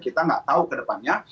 kita nggak tahu kedepannya